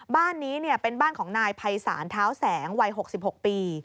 บ้านนี้เป็นบ้านของนายภัยศาลเท้าแสงวัย๖๖ปี